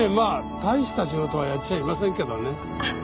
たいした仕事はやっちゃいませんけどね。